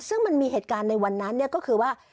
ซึ่งมันมีเหตุการณ์ในวันนั้นก็คือว่า